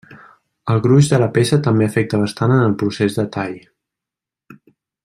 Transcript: El gruix de la peça també afecta bastant en el procés de tall.